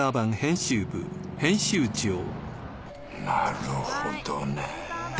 なるほどね。